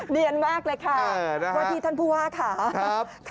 เนียนมากเลยค่ะว่าที่ท่านผู้ว่าค่ะ